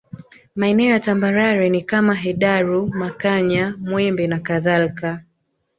Maeneo ya tambarare ni kama Hedaru Makanya Mwembe na kadhalika